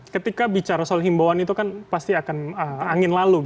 ketika bicara soal himbauan itu kan pasti akan angin lalu